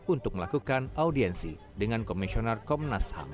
untuk melakukan audiensi dengan komisioner komnas ham